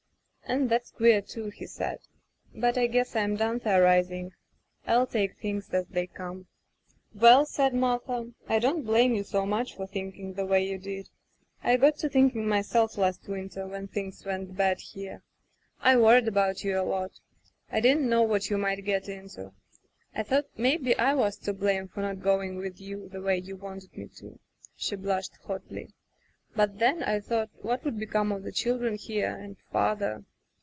"And that's queer, too," he said. "But I guess I'm done theorizing. I'll take things as they come." "Well," said Martha, "I don't blame you so much for thinking the way you did. I got to thinking myself, last winter, when things [ "5 ] Digitized by LjOOQ IC Interventions went bad here. I worried about you a lot. I didn't know what you might get into. I thought maybe I was to blame for not going with you, the way you wanted me to/' she blushed hotly, "but then, I thought, what would become of the children here, and father